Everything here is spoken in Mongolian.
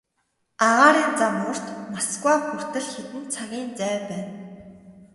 Агаарын зам урт, Москва хүртэл хэдэн цагийн зай байна.